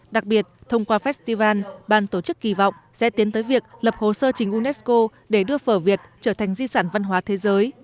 đặc biệt thông qua festival ban tổ chức kỳ vọng sẽ tiến tới việc lập hồ sơ trình unesco để đưa phở việt trở thành di sản văn hóa thế giới